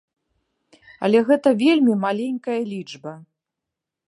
Але гэта вельмі маленькая лічба.